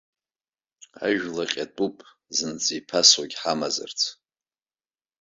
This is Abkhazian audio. Ажәла ҟьатәуп, зынӡа иԥасоугьы ҳамазарц.